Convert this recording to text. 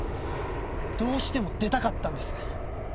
どうしても出たかったんです。